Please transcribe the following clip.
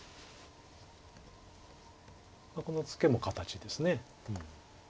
このツケも形です。